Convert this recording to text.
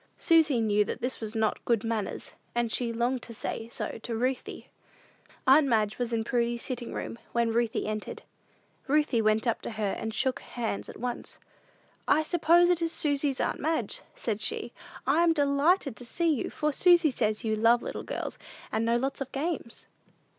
Susy knew that this was not good manners, and she longed to say so to Ruthie. Aunt Madge was in Prudy's sitting room when Ruthie entered. Ruthie went up to her and shook hands at once. "I suppose it is Susy's aunt Madge," said she. "I am delighted to see you, for Susy says you love little girls, and know lots of games."